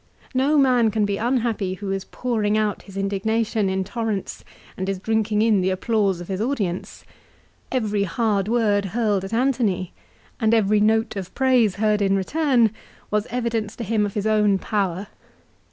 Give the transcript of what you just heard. No man can be unhappy who is pouring out his indignation in torrents and is drinking in the applause of his audience. Every hard word hurled at Antony, and every note of praise 286 LIFE OF CICERO. heard in return, was evidence to him of his own power.